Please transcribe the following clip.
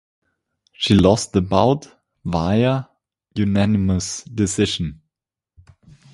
She lost the bout via unanimous decision.